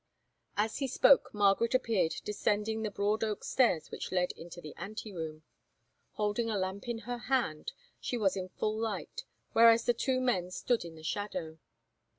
As he spoke, Margaret appeared descending the broad oak stairs which led into the ante room. Holding a lamp in her hand, she was in full light, whereas the two men stood in the shadow.